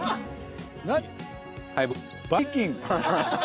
バイキング？